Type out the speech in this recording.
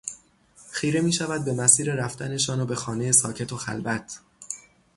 خیره میشود به مسیر رفتنشان و به خانه ساکت و خلوت